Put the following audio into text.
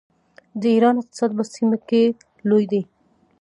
د ایران اقتصاد په سیمه کې لوی دی.